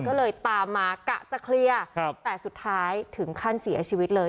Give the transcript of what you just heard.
ก็เลยตามมากะจะเคลียร์ครับแต่สุดท้ายถึงขั้นเสียชีวิตเลย